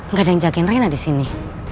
gak ada yang jagain rena disini